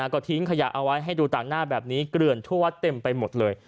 ก็ทิ้งขยะเอาไว้ให้ดูต่างหน้าแบบนี้เกลื่อนทั่ววัดเต็มไปหมดเลย